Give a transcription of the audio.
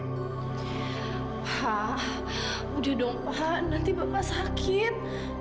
pak sudah dong pak nanti bapak sakit